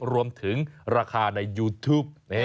รวมถึงราคาในยูทูป